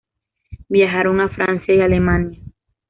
Viajaron a Francia y Alemania.